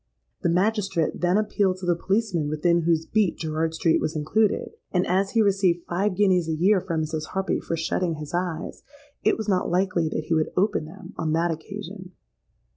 The magistrate then appealed to the policeman within whose beat Gerrard Street was included; and as he received five guineas a year from Mrs. Harpy for shutting his eyes, it was not likely that he would open them on that occasion.